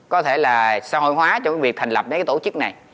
có thể là xã hội hóa cho cái việc thành lập những cái tổ chức này